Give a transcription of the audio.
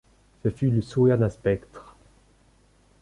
Ce fut le sourire d’un spectre.